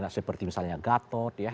seperti misalnya gatot ya